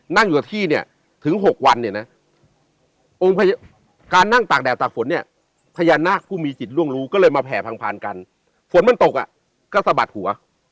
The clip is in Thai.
นั่งอยู่กับที่เนี่ยถึง๖วันเนี่ยนะองค์การนั่งตากแดดตากฝนเนี่ยพญานาคผู้มีจิตร่วงรู้ก็เลยมาแผ่พังผ่านกันฝนมันตกอ่ะก็สะบัดหัว